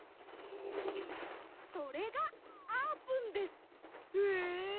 それがあーぷんです。え！？